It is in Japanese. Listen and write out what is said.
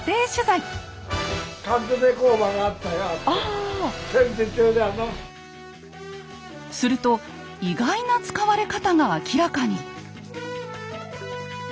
今回はこのすると意外な使われ方が明らかに。